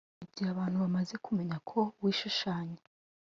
Igihe abantu bamaze kumenya ko wishushanya